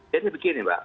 jadi begini pak